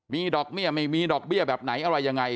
มีดอกเบี้ยไม่มีดอกเบี้ยแบบไหนอะไรยังไง